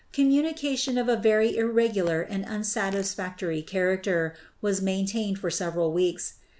Com munication of a very irregular and unsatisfactory charac ter was maintained for several weeks.